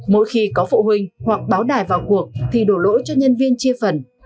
mỗi khi có phụ huynh hoặc báo đài vào cuộc thì đổ lỗi cho nhân viên chia phần